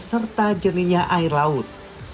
serta jernihnya air laut